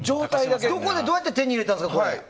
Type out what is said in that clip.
どこでどうやって手に入れたんですか？